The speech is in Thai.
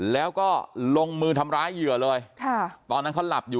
แล้วก็ลงมือทำร้ายเหยื่อเลย